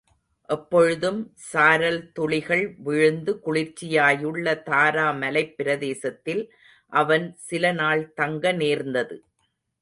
எப்பொழுதும் சாரல் துளிகள் விழுந்து குளிர்ச்சியாயுள்ள தாரா மலைப்பிரதேசத்தில் அவன் சில நாள் தங்க நேர்ந்தது.